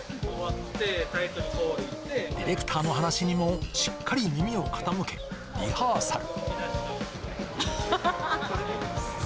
ディレクターの話にもしっかり耳を傾け、リハーサル。